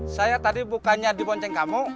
saya tadi bukannya di bonceng kamu